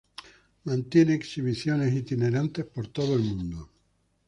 Mantienen exhibiciones itinerantes por todo el mundo.